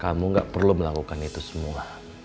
kamu gak perlu melakukan itu semua